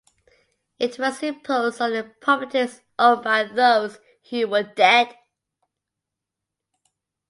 It was imposed on the properties owned by those who were dead.